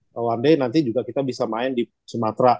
kalau andai nanti juga kita bisa main di sumatera